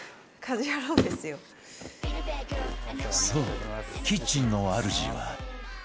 そうキッチンのあるじは